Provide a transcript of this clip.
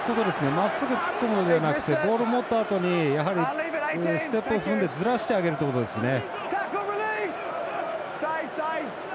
まっすぐ突っ込むんじゃなくてボール持ったあとにやはり、ステップを踏んでずらしてあげるってことですね。